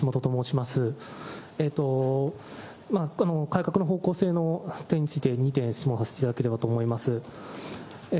改革の方向性の点について、２点、質問させていただければと思います。